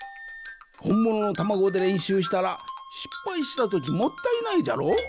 ほんもののたまごでれんしゅうしたらしっぱいしたときもったいないじゃろ？